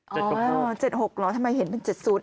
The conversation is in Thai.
อ๋อ๗กับ๖หรอทำไมเห็นเป็น๗๐